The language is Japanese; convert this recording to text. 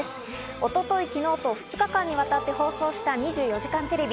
一昨日、昨日と２日間にわたって放送した『２４時間テレビ』。